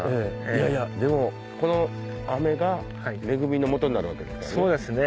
いやいやでもこの雨が恵みのもとになるわけですからね。